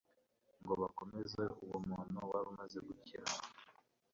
ngo bakomeze uwo muntu wari umaze gukira.